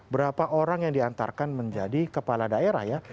berapa orang yang diantarkan menjadi kepala daerah ya